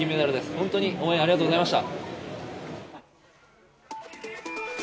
本当に応援ありがとうございました。